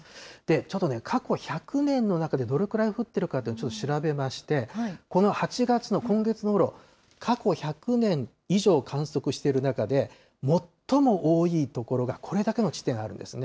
ちょっと、過去１００年の中でどれくらい降っているかというのをちょっと調べまして、この８月の今月の雨量、過去１００年以上観測している中で、最も多い所がこれだけの地点あるんですね。